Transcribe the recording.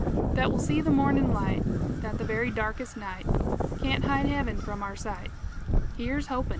That we'll see the mornin' light That the very darkest night Can't hide heaven from our sight, Here's hopin'!